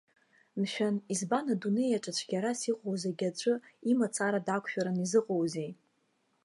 Мшәан, избан, адунеи аҿы цәгьарас иҟоу зегьы аӡәы имацара дақәшәаран изыҟоузеи?